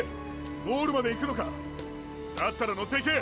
ゴールまでいくのか⁉だったら乗っていけ！